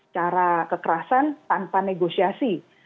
cara kekerasan tanpa negosiasi